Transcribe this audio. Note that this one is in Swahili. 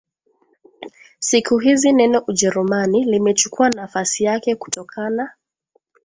Siku hizi neno Ujerumani limechukua nafasi yake kutokana